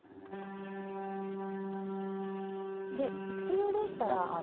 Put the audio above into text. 普通でしたら。